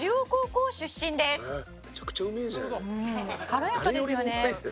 「軽やかですよね」